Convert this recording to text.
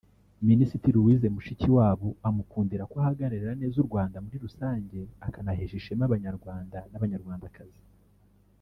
Minisitiri Louise Mushikiwabo amukundira ko ahagararira neza u Rwanda muri rusange akanahesha ishema abanyarwanda n’abanyarwandakazi